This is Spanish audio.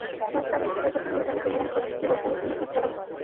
Más tarde se casó con el británico John Cox, divorciándose años más tarde.